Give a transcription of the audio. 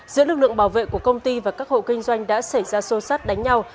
giữa lực lượng bảo vệ của công ty và các hộ kinh doanh đã xảy ra sô sát đánh nhau